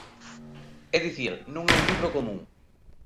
É dicir, non é un libro común.